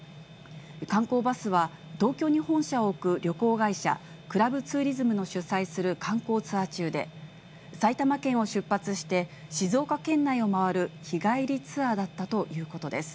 観光バスは、東京に本社を置く旅行会社、クラブツーリズムの主催する観光ツアー中で、埼玉県を出発して、静岡県内を回る日帰りツアーだったということです。